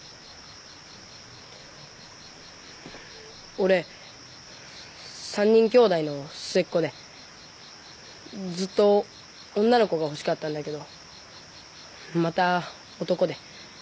俺３人兄弟の末っ子でずっと女の子が欲しかったんだけどまた男で。